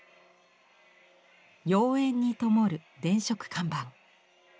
妖艶にともる電飾看板。